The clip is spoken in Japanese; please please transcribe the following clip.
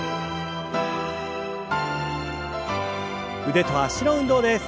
腕と脚の運動です。